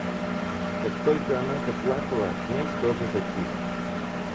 Как только она заплакала, князь тоже затих.